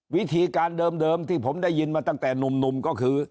วิธีการเดิมที่ผมได้ยินมาตั้งแต่หนุ่มก็คือ